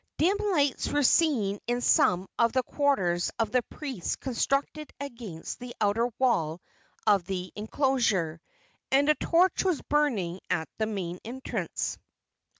Dim lights were seen in some of the quarters of the priests constructed against the outer wall of the enclosure, and a torch was burning at the main entrance.